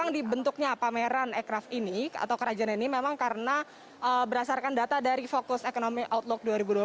dibentuknya pameran ekraf ini atau kerajinan ini memang karena berdasarkan data dari fokus ekonomi outlook dua ribu dua puluh